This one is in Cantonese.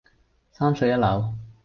三十一樓